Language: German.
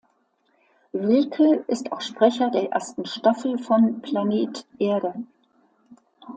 Wilcke ist auch Sprecher der ersten Staffel von "Planet Erde".